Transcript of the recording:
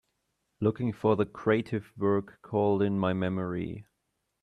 Looking for the crative work called In my memory